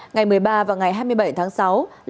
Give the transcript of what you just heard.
ngày một mươi ba và ngày hai mươi bảy tháng sáu long đi bộ